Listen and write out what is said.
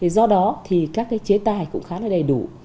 do đó thì các cái chế tài cũng khá là đầy đủ